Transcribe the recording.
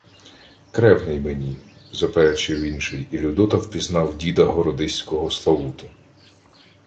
— Кревний мені, — заперечив інший, і Людота впізнав діда городиського Славуту.